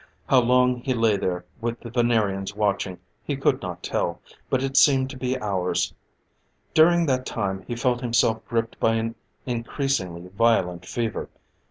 How long he lay there with the Venerians watching, he could not tell, but it seemed to be hours. During that time he felt himself gripped by an increasingly violent fever.